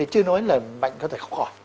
chứ nói là bệnh có thể khóc khỏi